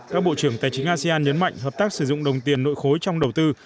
các bộ trưởng tài chính asean nhấn mạnh hợp tác sử dụng đồng tiền nội khối trong đầu tư